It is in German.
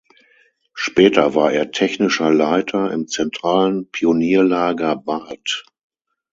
Später war er Technischer Leiter im Zentralen Pionierlager Barth.